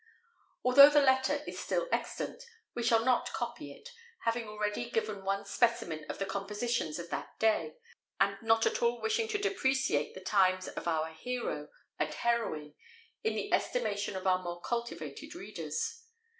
Although the letter is still extant, we shall not copy it, having already given one specimen of the compositions of that day, and not at all wishing to depreciate the times of our hero and heroine in the estimation of our more cultivated readers.